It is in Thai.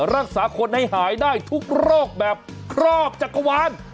รักษาคนให้หายได้ทุกโรคแบบครอบจักรวาล